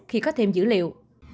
khi có thêm dữ liệu